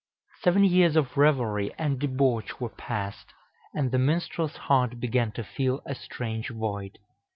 Seven years of revelry and debauch were passed, and the minstrel's heart began to feel a strange void.